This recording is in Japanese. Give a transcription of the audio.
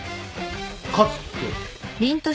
勝つって？